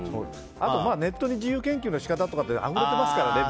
あと、ネットで自由研究の仕方とかあふれてますからね。